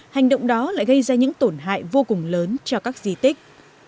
hành động đó lại gây ra những tổn hại vô cùng lớn cho các di tích